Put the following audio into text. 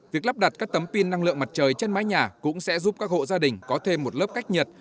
việc lắp đặt các tấm pin năng lượng mặt trời trên mái nhà cũng sẽ giúp các hộ gia đình có thêm một lớp cách nhiệt